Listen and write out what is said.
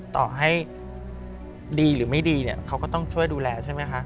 ต่อให้ดีหรือไม่ดีเนี่ยเขาก็ต้องช่วยดูแลใช่ไหมคะ